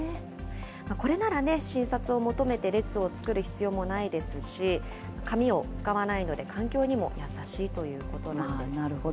これならね、新札を求めて列を作る必要もないですし、紙を使わないので、環境にも優しいということなんですね。